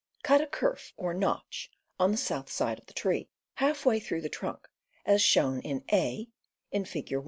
Cut a kerf or notch on the south side of the tree, half way through the trunk, as shown at A in Fig.